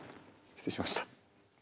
失礼しました。